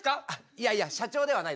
いやいや社長ではないです。